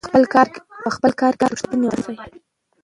په خپل کار کې ریښتیني اوسئ.